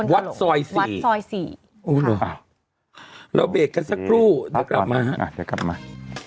เวลาเบอร์กันซักครู่น้องกลับมาเอ้าเดี๋ยวกลับมา